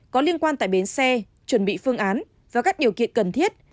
có liên quan tại bến xe chuẩn bị phương án và các điều kiện cần thiết